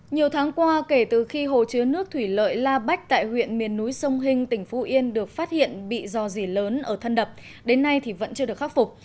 nhiều tháng qua kể từ khi hồ chứa nước thủy lợi la bách tại huyện miền núi sông hinh tỉnh phú yên được phát hiện bị dò dỉ lớn ở thân đập đến nay thì vẫn chưa được khắc phục